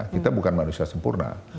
kita bukan manusia sempurna